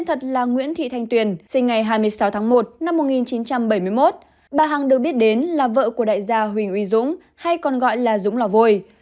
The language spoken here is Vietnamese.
hai mươi sáu tháng một năm một nghìn chín trăm bảy mươi một bà hằng được biết đến là vợ của đại gia huỳnh uy dũng hay còn gọi là dũng lò vôi